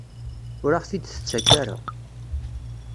Ur aɣ-t-id-tettak ara?